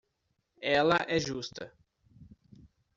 Ela é justa.